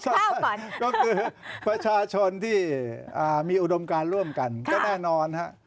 ก็คือประชาชนที่มีอุดมการร่วมกันก็แน่นอนฮะ